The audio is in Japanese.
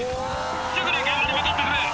すぐに現場に向かってくれ。